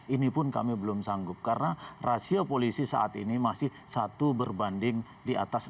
ini pun kami belum sanggup karena rasio polisi saat ini masih satu berbanding di atas enam puluh